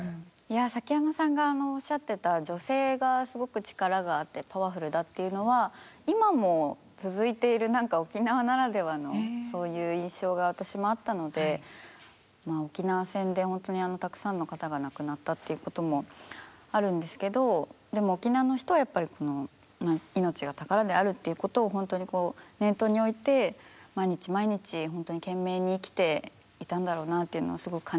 崎山さんがおっしゃってた女性がすごく力があってパワフルだっていうのは今も続いている何か沖縄ならではのそういう印象が私もあったのでまあ沖縄戦で本当にたくさんの方が亡くなったっていうこともあるんですけどでも沖縄の人はやっぱり命が宝であるっていうことを本当にこう念頭に置いて毎日毎日本当に懸命に生きていたんだろうなっていうのはすごく感じました。